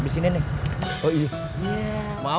bang jangan bengong aja